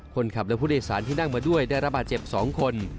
คนขับและผู้โดยสารที่นั่งมาด้วยได้ระบาดเจ็บ๒คน